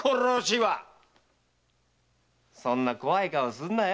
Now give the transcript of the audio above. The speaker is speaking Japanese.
そんな怖い顔すんなよ。